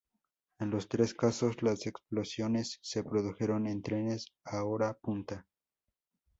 En los tres casos las explosiones se produjeron en trenes a hora punta.